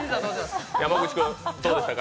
山口君、どうでしたか。